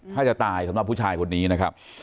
ถ้าจะตายสำหรับผู้ชายคนนี้นะครับ